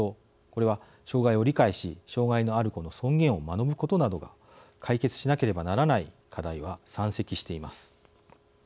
これは障害を理解し障害のある子の尊厳を学ぶことなど解決しなければならない課題は山積しています。